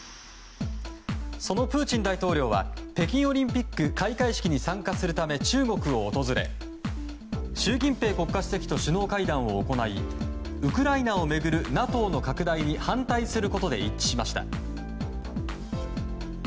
そのプーチン大統領は北京オリンピック開会式に参加するため中国を訪れ習近平国家主席と首脳会談を行いウクライナを巡るＮＡＴＯの拡大に反対することで一致しました。